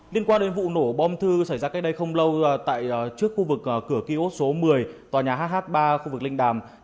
liên quan đến vụ nổ bom thư xảy ra cách đây không lâu tại trước khu vực cửa kiosk số một mươi tòa nhà hh ba khu vực linh đàm